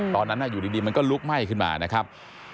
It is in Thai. ตอนนั้นอยู่ดีมันก็ลุกไหม้ขึ้นมานะครับ